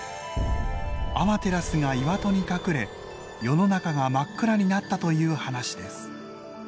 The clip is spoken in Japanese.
アマテラスが岩戸に隠れ世の中が真っ暗になったという話です。